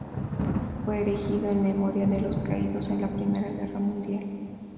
Fue erigido en memoria de los caídos en la Primera Guerra Mundial.